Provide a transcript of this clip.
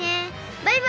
バイバイ！